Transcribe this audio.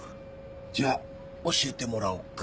じゃあ教えてもらおうか。